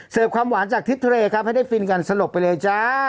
ความหวานจากทิศทะเลครับให้ได้ฟินกันสลบไปเลยจ้า